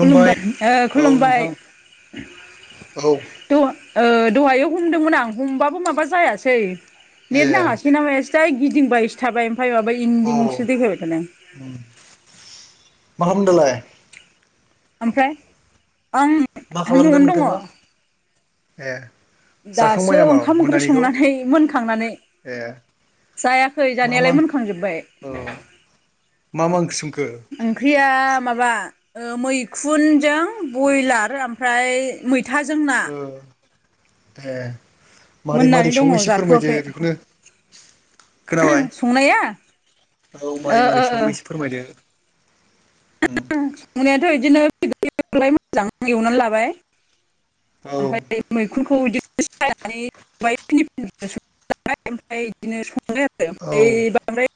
खुलुमबाय औ खुलुमबाय नोंथां औ दहाय हमदोंमोन आं हमबाबो माबा जायासै ए नेट नाङासै नामा एसे जाय गिदिंबायसो थाबाय ओमफ्राय माबा औ इन्दिंसो देखायबाय थ आ मा खालामदों दालाय ओमफ्राय आं मा न'आवनो खालामदों दङ नोंथाङा ए दासो जाखांबाय नामा ओंखाम ओंख्रि मोनानिखौ संनानै मोनखांनानै ए जायाखै मा मा जानायालाय मोनखांजोब्बाय ओ मा मा सोम ओंख्रिया मैखुन जों‌ बयलार फिथा जों ना ओ ए मारै मोननानै मारै दङ सङो एसे फोरमायदो जाथ'वाखै बेखौनो खोनाबाय संनाया औ ओ मारै ओ मारै ओ सो एसे फोरमायदो उम संनायाथ' बिदिनो बिलाय मोजां एवनानै लाबाय औ ओमफ्राय मै सखुनखौ बिदिनो सायनानै स ओमफ्राय बिदिनो स आरो ओ औ बांद्राय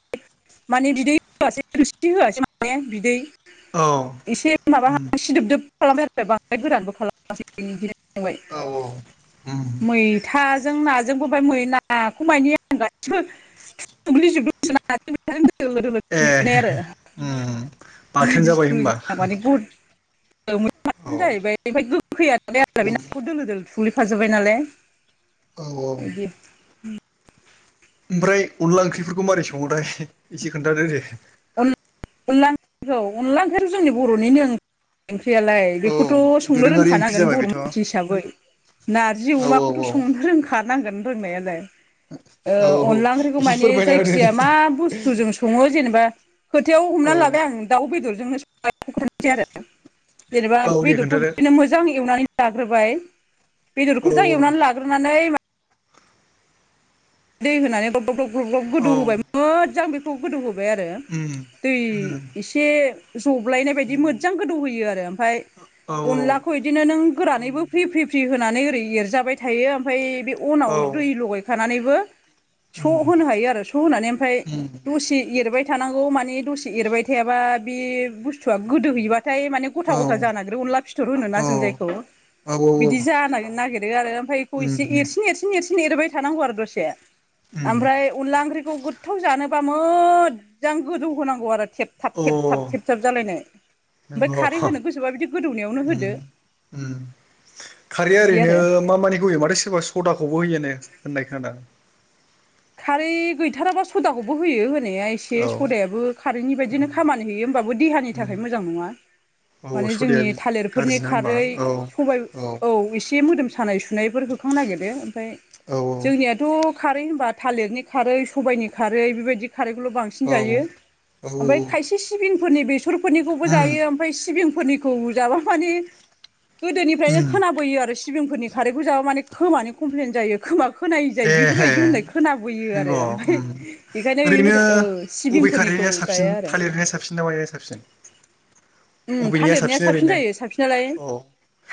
माने बिदै होआसैोरसि होआसै माने बिदै औ एसे माबा उम सिदोबदोब खालामबाय आरो बांद्राय गोरानबो खालामासै बिदिनो थांबाय औ उम मैथाजों नाजोंबो ओमफाय मै नाखौ मानि आं गाससिबो सुग्लि सुग्लि सुना नाजो मैथाजो आरो लोदो लोदो ए फुंग्लिनाय आरो उम [unintelligible] बाथोन जाबाय होमबा दिनो औ जाहैबाय ओमफाय गोखैया जालाय बे उम नाखौ दोलो दोलो थुग्लिफाजोब्बाय नालाय औ औ इदि उम। ओमफ्राय अनला ओंख्रिफोरखौ मारै संङोथाय एसे खोन्थादो दे। अन अनला ओखखौ अनला ओंख्रियाथ' जोंनि बर'निनो ओंख्रियालाय औ बेख थ' संनो दोरोङारि ओंख्रि रोंखानांगोन जाबाय बर' बेथ' औ मानसि हिसाबै नारजि औ अमाखौथ' संनो रोंखा नांगोन रोंनायालाय औ ओ अनला ओंख्रिखौ एसे मानि फोरमायना होदो दे जायखिजाया मा बुस्थुजों सं सङो जेनेबा खोथायाव औ हमना लाबाय आं दाउ बेदरजोंनो संनोसै आरो जेनेबा औ दे बेदरखौ खोन्थादो बिदिनो मोजां एवनानै लाग्रोबाय औ बेदरखौ जा एवनानै लाग्रोनानै दै होनानै ग्रब ग्रब गब ग्लब ग्लब औ औ गोदौ होबाय मोजां बेखौ गोदौ होबाय आरो उम दै उम एसे जब्लायनाय बायदि मोजां गोदौहोयो आरो ओमफाय औ औ अनलाखौ इदिनो नों गोरानैबो फ्रि फ्रि फ्रि होनानै ओरै एरजाबाय थायो ओमफाय बे अनाव औ दै लगायखानानैबो उम स' होनो हायो आरो स' होनानै ओमफाय उम दसे एरबाय थानांगौ माने दसे एरबाय थायाबा बे बुस्थुआ गोदोहैबाथाय माने गथा औ गथा जानागिरो अनला फिथ'र होनो औ ना जों जायखौ बिदि जानो नागिरो आरो ओमफाय बेखौ एसे उम एरसिन एरसिन एरसिन एरबाय थानांगौ आरो दसे। [inaudible] उम ओमफ्राय अनदला ओंख्रिखौ गोथाव जानोबा मोजां गोदौ होनांगौ आरो थेबथाब अ थेबथाब। थेब थाब जालायनाय ओमफाय नंगौ खारै होनो गोसोबा बिदि गोदौनायावनो होदो। उम उम खारैया बिदि ओरैनो आरो मा मानिखौ होयो माथो सोरबा सदाखौबो होयो होननाय खोनादां? खारै गैथाराबा सदाखौबो होयो होनाया एसे औ सदायाबो खारेन्टनि बायदिनो खामानि होयो होमबाबो देहानि उम थाखाय मोजां नङा। औ माने सदिया जोंनि गाज्रि थालिरफोरनि ना होमबा खारै औ सबाय औ एसे मोदोम सानाय सुनायफोर होखांनो नागिरो ओमफाय औ जोंनियाथ' खारै होनबा थालिरनि खारै सबायनि खारै बेबायदि खारैखौल' बांसिन औ जायो। ओमफाय औ खायसे सिबिंफोरनि बेसरफोरनिखौबो उम जायो ओमफाय सिबिं फोरनिखौ जाबा माने गोदोनिफ्रायनो उम खोनाबोयो आरो सि बिंफोरनि खारैखौ जाबा माने खोमानि कमप्लेन जायो खोमा खोनायै जायो एहे बेफोरबायदि होननाय खोनाबोयो नंग' आरो ओमफाय उम इखायनो ओरैनो इफोर औ अबे सिबिंफोरनिखौ खारैया साबसिन जाया आरो [unintelligible] साबसिन उम अबेनिया थालिरनाया साबसिन ओरैनो जायो साबसिनलाय औ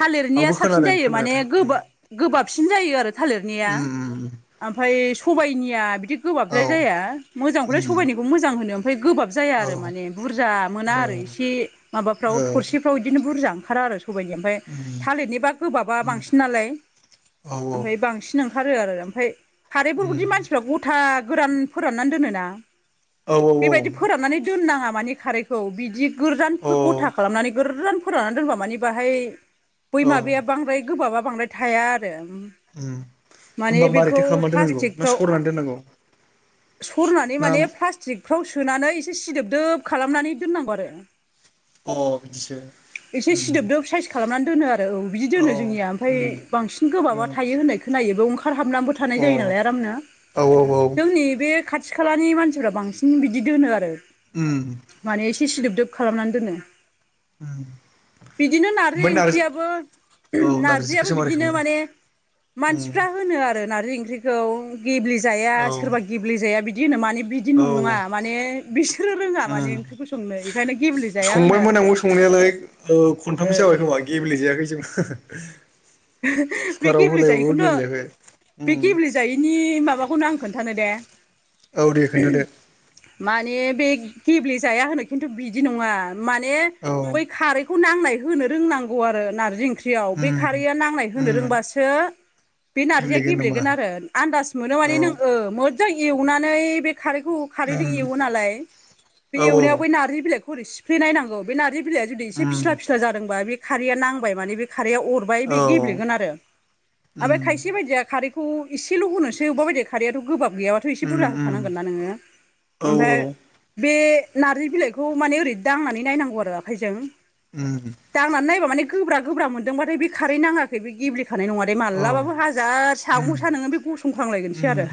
थालिरनिया आंबो साबसिन खोनादों जायो माने खोनानायाथ' उम गोबा गोबाबसिन जायो आरो थालिरनिया। उम उम ओमफाय सबायनिया बिदि औ गोबाबद्राय जाया मोजांखौलाय उम सबाइनिखौ मोजां होनो ओमफाय गोबाब जाया औ आरो ओ माने बुरजा मोना आरो ओ इसे माबाफ्राव उम थरसेफ्राव इदिनो बुरजा ओंखारा आरो स सबायनिया ओमफ्राय थालिरनिबा गोबाबा उम बांसिन नालाय औ ओमफाय बांसिन ओं ओंखारो आरो ओमफ्राय खारैफोरखौदि उम मानसिफ्रा गथा गोरान फोराननानै दोनोना। औ बेबायदि फोराननानै दोननाङा माने खारैखौ बिदि औ गोरजानफोर गथा खालामनानै गोररान फोराननानै दोनबा मानि बाहाय बै अ औ माबाया बांद्राय गोबाबा बांद्राय थाया आरो उम होमबा माने मारैथो बेखौ खालामना दोननांगौ ना प्लास्टिकफ्राव सरनानै दोननांगौ? सरनानै माने नाम प्लास्टिकफ्रावसो सोनानै एसे सिदोबदोब खालामनानै दोननांगौ आरो अ बिदिसो एसे उम सिदोबदोब साइस खालामनानै दोनो औ बिदि औ दोनो जोंनिया ओमफाय उम बांसिन गोबाबा उम थायो होननाय खोनायो बेव ओंखार हाबनानैबो थानाय अ औ जायो नालाय आराम नो औ उम जोंनि बे खाथि खालानि मानसिफ्रा बांसिन बिदि दोनो आरो उम थि सिदोबदोब खालामनानै दोनो बिदिनो नारजि ओंख्रियाबो औ नारजियाबो नारजिखौसो मारै बिदिनो सङो माने उम मानसिफ्रा होनो आरो नारजि ओं ओंख्रिखौ गेब्लेजाया औ सोरबा गेब्लेेजाया बिदि होनो मानि बिदि औ नङा उम माने बिसोरो रोङा माने ओंख्रिखौ संनो बेंखायनो गेब्लेेजाया होनो आरो नांगौ संनायालाय खनथामसो ओ जाबाय खोमा गेब्लेेजायाखै जों बे कुकाराव गेब्ले होलायबाबो जायैखैथ' गेब्लेयाखै बे उम गेब्लेेजायैनि माबाखौनो आं खोन्थानो दे औ दे खोन्थादो माने बे गेब्ले जाया होनो खेनथु बिदि नङा माने औ बै खारै खौ नांनाय होननो रोंनांगौ आरो नारजि ओंख्रियाव बे खार उम नांनाय उम होनो रोंबासो बे नारजिया गेब्लेगोन आरो आनदास मोनो औ माने‌‌ नों हो मोज जां एवनानै बे खारैखौ हो खारैजों उम एवो नालाय बे औ औ एवनायाव बै नारजि बिलाइखौ ओरै सिफ्ले नायनांगौ बे नारजि बिलाया जुदि एसे उम फिस्ला फिस्ला जादोंबा बे खारैया नांबाय माने बे खारैयाव‌ अ बाय बे औ गेब्लेगोन आ‌रो आ बे उम खायसे बायदिया खारै खु एसेल' होनोसै अबेबा बायदि खारैयाथ' गोबाब गैयाबाथ' एसे उम बुरजा उम होखानांगोनना नोङो औ ओमफाय बे नारजि बिलाइखौ माने ओरै दांनानै नायनांगौ आरो आखाइजों उम दांनानै नायबा माने गोब्रा गोब्रा मोनदोंबाथाय बे खारै नाङाखै बे गेब्ले होफानाय नङा दे औ मालाबाबो हाजार उम सागं सा नोङो बे गसंखांलायगोनसो उम आरो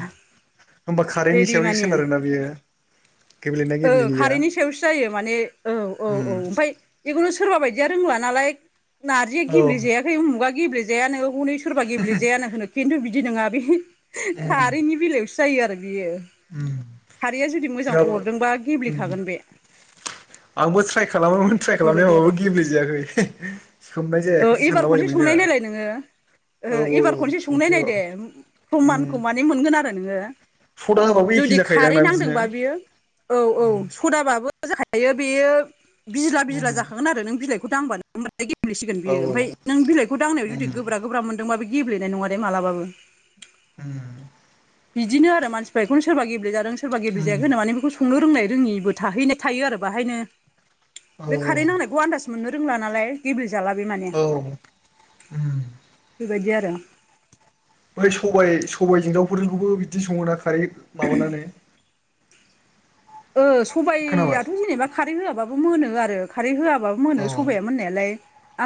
होमबा खारैनि बिदि सायावसो माने सोनारोना बियो गेब्लेनाय ओ गेब्लेयिया? खारैनि सायावसो जायो माने औ औ औ ओमफफाय जिखुनु सोरबा बायदिया रोंला नालाय नारजि औ गेब्ले जाया उम बौबा गेब्लेजाया नो हनै सोरबा गेब्लेेजायानो होनो खिन्थु बिदि नोङा बे हिन खारैनि बेलायावसो जायो आरो बियो उम खारैया जुदि मोजां जोंहाबो अरदोंबा उम गेब्लेखागोन बे आंबो ट्राय खालामोमोन ट्राय बेबायदि खालामनायाव आरो गेब्लेेजायाखै हे सोमनाय ओ जायाखैसो एबार सानला खनसे संनाय नायलाय नोङो ओ औ एबार खनसे संनाय संसै नाय औ दे उम उम प्रमानखौ माने मोनगोन आरो नोङो सदा होबाबो एखे जुदि खारै जाखायोदांना बिदिनो नांदोंबा बियो औ औ उम सदाबाबो जाखायो बेयो बिज्ला बिज्ला उम जाखागोन आरो नों बिलाइखौ दांबानो होमबा बे गेब्लेसिगोन औ बियो ओमफाय औ नों बिलाइखौ दांनायाव जुदि उम गोब्रा गोब्रा मोनदोंबा बा बे गेब्लेनाय नङा दे मालाबाबो उम बिदिनो आरो मानसिफ्रा इखौनो सोरबा गेबले जादों सोरबा गेबले उम जायाखै होनो माने बेखौ स संनो रोंनाय रोङिबो थाहैनाय थायो आरो बाहायनो औ बे खारेै नांनायखौ आदाज मोननो रोंला नालाय गेब्ले जाला बे माने औ उम बायदि आरो बाय सबाइ सबाइजों दावफोरजोंखौबो बिदि सङो ना खारै माबानानै ओ खोनाबाय सबायआथ' जेनेबा खारै होआबाबो मोनो आरो खारै होआ होबाबो औ मोनो सबाइया मोननायालाय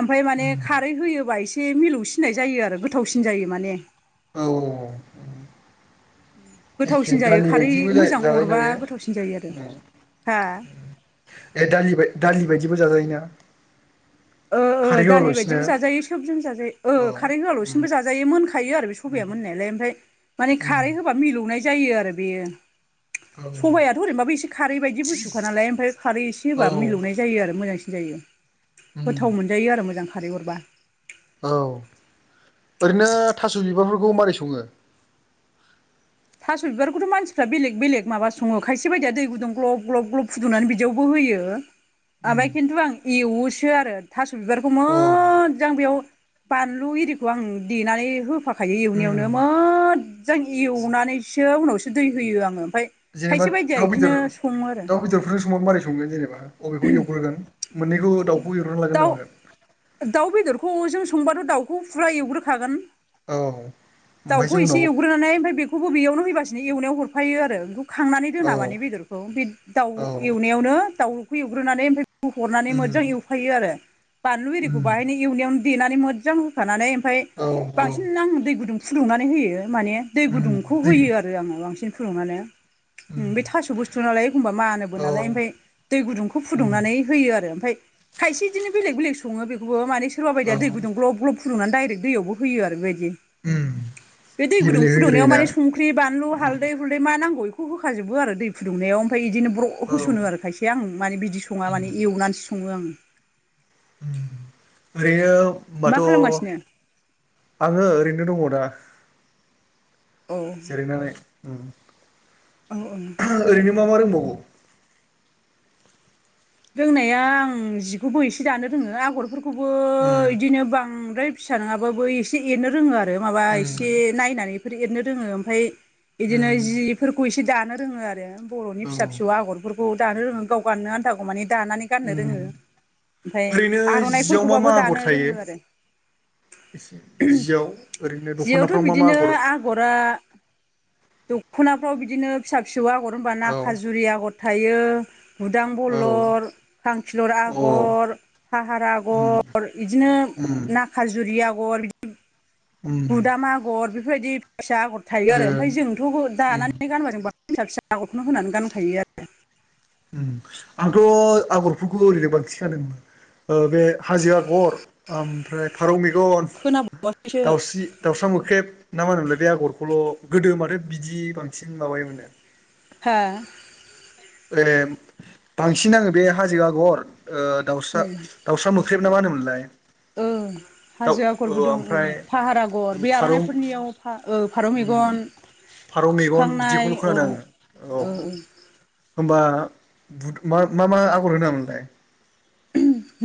आमफाय मान खारै होयोबा एस से मिलौसिननाय जायो आरो गोथावसिन जायो माने औ औ अ उम गोथावसिन जायो खारै मोजां जाजायोना अरबा बेयो गोथावसिन जायो आरो हा ए दालि बाय दालि बायदिबो जाजायोना? ओ हो खारै दालि होआलासिनो बायदिबो जाजायो सोबजों जाजायो ओ औ खारै उम होआल'सिनबो जाजायो मोनखायो आरो बि उम सबाइया मोननायालाय ओमफाय माने उम खारै होबा मिलौनाय जायो आरो बेयो। औ सबायआथ' ओरैनोबाबो एसे खारै बायदि बुस्थुखा नालाय ओमफाय खारै एसे औ होबा मिलौनाय जायो आरो मोजांसिन। जायो उम गोथाव मोनजायो आरो मोजां खारै अरबा औ ओरैनो थास' बिबारफोरखौ मारै सङो? थास' बिबारखौथ' मानसिफ्रा बेलेग बेलेग माबा सङो खायसे बायदिया दै गुदुं ग्लब ग्लब ग्लब फुदुंनानै बिदियावबो हो होयो उम ओमबाय खिन्थु आं एवोसो आरो थास' बिबारखौ औ मोद जां बेयाव बानलु एरिखौ आं देनानै होफाखायो उम एवनायावनो मोद जां एव सो उनावसो दै होयो आङो। जेनोबा खायसे बायदिया दाउ बिदिनो बेदर सङो आरो दाउ बेदरफोर सङोबा मारै संगोन जेनेबा अबेखौ एवग्रोगोन मोननैखौ दाउखौ एवग्रोना लागोन दाउ नामा? दाउ बेदरखौ जों संबाथ' दाउखौ फुरा एवग्रोखागोन। औ दाउखौ ओमफ्रायसो एसे उनाव एवग्रोनानै ओमफ्राय बेखौबो बेयावनो हैबासिनो एवनायाव हरफायो आरो। खांनानै दोना औ मानि बेदरखौ बे दाउ औ एवनायावनो दाउखौ एवग्रोनानै ओमफाय होहरनानै उम मोजां एवफायो आरो, बानलु एरिखौ उम बाहायनो एवनायावनो देनानै मोथजां होखानानै ओम फ्राय औ औ बांसिन आं दै गुदुं फुदुंनानै होयो माने दै उम गुदुंखौ दै होयो आरो आङो बांसिन फुदुंनानै उम ओम बे थास' बुस्थु नालाय एखमबा मानोबो औ नालाय ओमफाय दै गुदुंखौ उम फुदुंनानै होयो आरो ओमफाय खायसे बिदिनो बेलेग बेलेग सङो बेखौबो माने सोरबा बायदिया औ दै गुुं ग्लब ग्लब फुुंदुंनानै डाइरेक दैआवबो होयो आरो बेबाय दि उम [inaudible] बे दै गुदुं फुदुंनायाव गेब्लेहोग्रोयोना माने संख्रि बानलु हालदै उम हुलदै मा नांगौ इखौ होखाजोबो आरो दै फुदुंनायाव ओमफाय बिदिनो ब्र' औ होसनो आरो उम खायसे आं माने बिदि सङा माने एवनानैसो सङो आं उम ओरैनो मा होमबाथ' खालामगासिनो आङो ओरैनो दङ दा। औ जिरायनानै उम औ औ दे ओरैनो मा मा रोंबावगौ? रोंनाया आं जिखौबो एसे दानो रोङो आगरफोरखौबो उम इदिनो बां द्राय फिसा नङाबाबो एसे एरनो रोङो आरो माबा उम एसे नायनानैफोर एरनो रोङो ओमफाय इदिनो उम जिफोरखौ एसे दानो रोङो आरो बर'नि फिसा औ फिसौ आगरफोर खौ दानो रोङो गाव गाननो आनथाखौ मानि दानानै गाननो उम रोङो। ओमफ्राय ओरैनो जियाव मा मा आर'नाइफोरखौबाबो आगर दानो थायो रोङो आरो। एसे जियाव ओरैनो जियावथ' दख'नाफ्राव मा मा बिदिनो आगर आगरा दख'नाफ्राव बिदिनो फिसा फिसौ आगर होनबा औ औ नाखाजुरि आगर थायो‌ उदा अ खलर खांखिलुर उम आगर, फाहार आगर बिदिनो उम नाखाजुरि आगर, उम गुदाम आगर बेफोरबायदि फैसा आगर थायो ओ आरो ओमफ्राय जोंथ' उम दानानै गानबा जों बा फिसा फिसा आगरखौनो होनानै गानखायो आरो। उम आंथ' आगरफोरखौ ओरैनो बांखि खादों ओ बे हाजो आगर ओमफ्राय फारौ मेगन खोनाबावासैसो दाउस्रि दाउस्रा मोख्रेब ना मारैमोनलाय बे आगरखौल' गोदो माथो बिदि बांसिन माबायोमोननो हा ए बांसिन आङो बे हाजो आगर ओ दाउसा दाउसा मोख्रैब ना मा होनोमोनलाय? ओ दाउ हाजो ओ आगरबो दं ओं ओमफ्राय फाहार आगर बे फारौ आर'नाइफोरनियाव फा- ओ फारौ मेग उम गन फारौ मेगन बिदिखौल' खोनादों आङो औ ओ होनोमबा बुद मा मा आगर होनामोनलाय?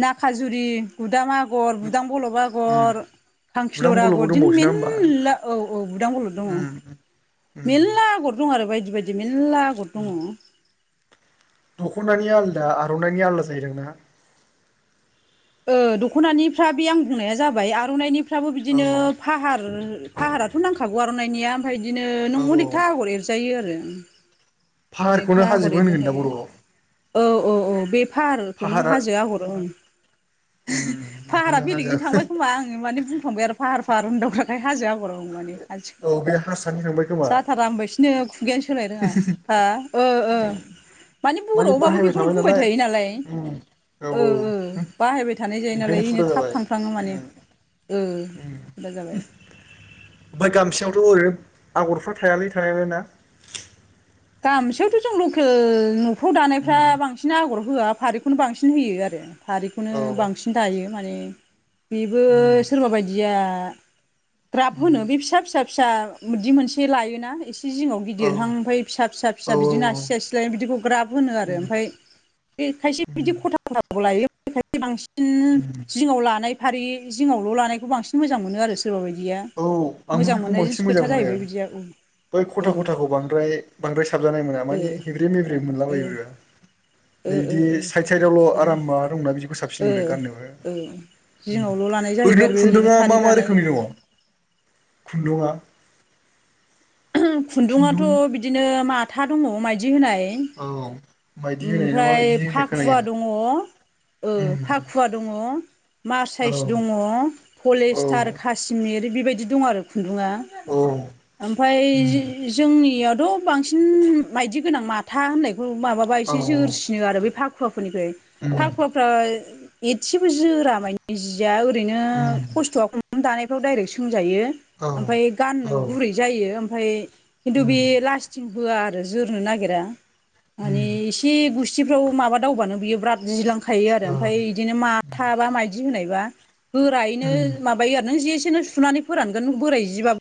नाखाजुरि गुदाम आगर बुदां बलब उम आगर बुदां खांखिलर बल'बो आगर दिन दंबावोसो ना होमबा मिनला औ औ बुदां बलर दङ उम उम मेरला आगर दं आरो बायदि बायदि मेल्ला आगर उम दङ। दख'नानि आलादा आर'नाइनि आलादा जायो दां ना? ओ दख'नानिफ्रा बे आं बुंनाया जाबाय आर'नाइनिफ्राबो औ बिदिनो फाहार फाहाराथ' नांखागौ आर'नाइनायनिया ओमफ्राय बिदिनो औ नों औ अनेकथा आगर एरजायो आरो उम फाहारखौनो अनेकथा आगर हाजोबो एरनो होनगोन दा हायो। बर'आव औ औ औ बे फाहारखौनो फाहारा हाजो आगरहोनो उम फाहारा बेखौनो हाजो बेलेगैनि थांबाय खोमबा आङो माने बुंफ्लांबाय आरो फाहार फाहार होदावग्राखाय हाजो आगर दा माने आथि औ बे हारसानि थांबाय [inaudible] खोमा जाथारा होनबायसिनो खुगायानो सोलाय रोङा। हा ओ ओ माने बर'आवबाबो बेखौनो बुंबाय थायो नालाय। उम औ ओ हो बाहायबाय थानाय जायो ओंखायनो नालाय इनो फुरा थाब जाबाय थांफ्लाङो माने उम ओ हुदा जाबाय ओमफाय गामसाआवथ' ओरैनो आगरफ्रा थायालै थानाया [unintelligible] ना गामसायावथ' जों लखो न'फ्राव दानायफ्रा उम बांसिन आगर होआ फारिखौनो बांसिन होयो आरो फारिखौनो औ बांसिन दायो माने बेबो उम सोरबा बायदिया ग्राब उम होनो बे फिसा फिसा फिसा [unintelligible] दि मोनसे लायोना एसे जिङाव औ गिदिरहां ओमफाय फिसा फिसा औ फिसा बिदिनो आसि आसि लायो बिदिखौ ग्राब होनो आरो उम ओमफाय बे खायसे उम बिदि ख'था ख'थाखौ लायो। [unintelligible] बांसिन उम जिङाव लानाय फारि जिङावल' लानायखौ बांसिन मोजां मोनो आरो ज औ आंबो बेखौ बांसिन मोजां खोथा मोनो जाहैबाय आरो बिदिया औ बै औ ओ ख'था ख'थाखौ बांद्राय बांद्राय साबजानाय मोना ओ माने हेबे मेब्रे मोनला बायो [unintelligible] नै बिदि ओ साइद साइदआवल' बिदिनो आराम माबा दंना बिदि साबसिन ओ मोनो ओ गाननोबो जिङावल' लानाय जाहैबाय ओरैनो आरो बे खुन्दुंङा फारि मा मा लानाय रोखोमनि दङ' खुन्दुंङा [unintelligible] खुन्दुंङाथ' बिदिनो माथा दङ' माइदि होनाय औ मायदि होनाय ना ओमफ्राय माबायदि होनाय फाखुवा खोनायो दङ ओ आं उम मासाइस दङ' औ पलेस्टार काश्मिर बेबायदि दङ' आरो खु खुन्दुङा औ ओमफाय उम [unintelligible] जोंनियावथ' बांसिन मायदि गोनां माथा होननायखौ माबाबाय औ एसे जोरसिनो आरो बे फाखुवाफोरनिफ्राय उम फाखुवाफ्रा एदसेबो जोरा मायनि जिया ओरैनो उम खस्थ'आ खम दानायफ्राव डाइरेक्ट सों जायो औ ओमफाय औ गानो गुरै जायो ओमफाय खिनथु उम बे लास्थिं होआ आरो जोरनो नागिरा माने उम एस गुसथिफ्राव माबा दावबानो बियो ब्राद जिलांखायो आरो ओमफाय इदिनो ओ माथा बा मायदि होनाय बा गोरायैनो माबायो आरो ना जेसेनो सुनानै फोरानगोन बोराय जिबाब